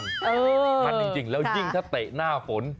มันจริงอย่างนี้แล้วยิ่งถ้าเตะหน้าฝน